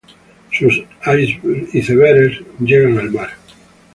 Sus icebergs llegan al mar.